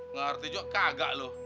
ngerti juga kagak loh